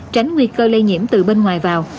tránh nguy cơ lây nhiễm từ bên ngoài vào